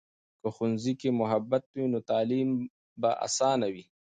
که ښوونځي کې محبت وي، نو تعلیم به آسانه وي.